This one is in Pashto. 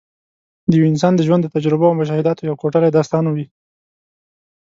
د یو انسان د ژوند د تجربو او مشاهداتو یو کوټلی داستان وي.